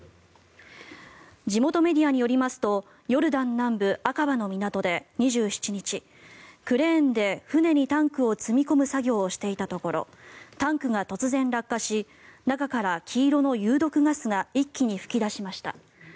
地元メディアによりますとヨルダン南部アカバの港で２７日クレーンで船にタンクを積み込む作業をしていたところタンクが突然落下し中から黄色の有毒ガスが一気に噴き出しました。